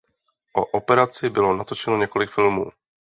O operaci bylo natočeno několik filmů.